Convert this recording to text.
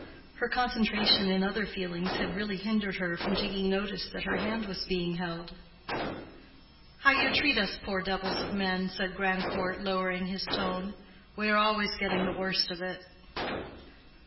Her concentration in other feelings had really hindered her from taking notice that her hand was being held. "How you treat us poor devils of men!" said Grandcourt, lowering his tone. "We are always getting the worst of it."